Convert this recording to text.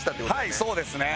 はいそうですね。